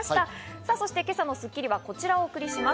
さぁ、今朝の『スッキリ』は、こちらをお送りします。